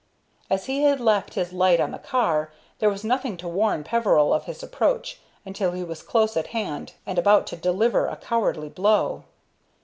As he had left his light on the car, there was nothing to warn Peveril of his approach until he was close at hand and about to deliver a cowardly blow.